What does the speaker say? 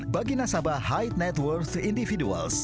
bagi nasabah high net worth individuals